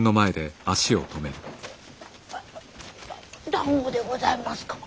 だんごでございますか？